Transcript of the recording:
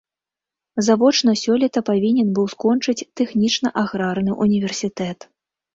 Завочна сёлета павінен быў скончыць тэхнічна-аграрны ўніверсітэт.